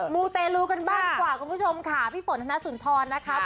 มูเตลูกันบ้างดีกว่าคุณผู้ชมค่ะพี่ฝนธนสุนทรนะครับ